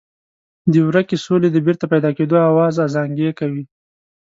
د ورکې سولې د بېرته پیدا کېدو آواز ازانګې کوي.